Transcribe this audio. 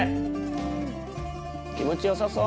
気持ちよさそう！